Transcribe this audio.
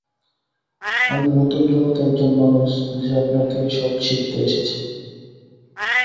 আমি নতুন জগতে একজন মানুষ যে আপনার থেকে সব শিখতে এসেছে।